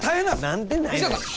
何でないねん。